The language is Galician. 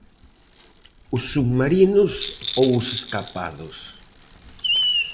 Os submarinos ou os escapados.